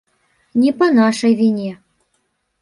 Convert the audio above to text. Не па нашай віне.